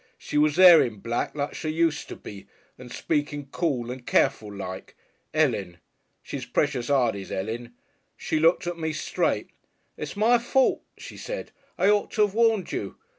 She was there in black like she used to be and speaking cool and careful like. 'Elen!... She's precious 'ard, is 'Elen. She looked at me straight. 'It's my fault,' she said, 'I ought to 'ave warned you....